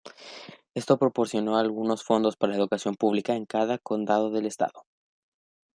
Esto proporcionó algunos fondos para la educación pública en cada condado del estado.